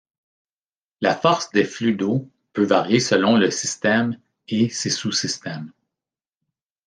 La force des flux d'eau peut varier selon le système et ses sous-systèmes.